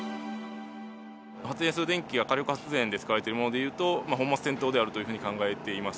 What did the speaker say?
発電する電気が火力発電で使われているものでいうと、本末転倒であると考えています。